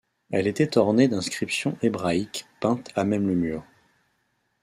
Elle était ornée d'inscriptions hébraïques peintes à même le mur.